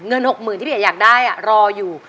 หกหมื่นที่พี่เอ๋อยากได้รออยู่